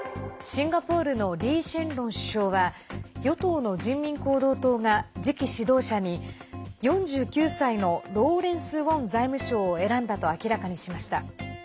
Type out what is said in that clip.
シンガポールのリー・シェンロン首相は与党の人民行動党が次期指導者に４９歳のローレンス・ウォン財務相を選んだと明らかにしました。